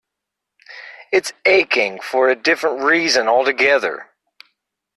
It's aching for a different reason altogether.